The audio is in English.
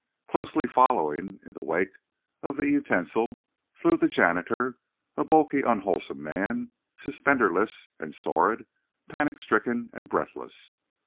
Closely following in the wake of the utensil flew the janitor, a bulky, unwholesome man, suspenderless and sordid, panic stricken and breathless.